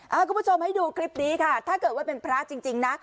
คุณผู้ชมให้ดูคลิปนี้ค่ะถ้าเกิดว่าเป็นพระจริงจริงนะ